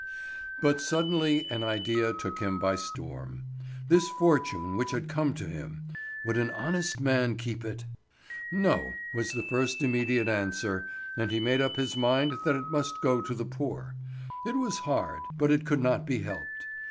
But suddenly an idea took him by storm. This fortune which had come to him. Would an honest man keep it? "No," was the first immediate answer, and he made up his mind that it must go to the poor. It was hard, but it could not be helped.